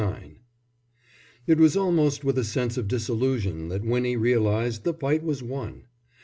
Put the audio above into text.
IX It was almost with a sense of disillusion that Winnie realized the fight was won.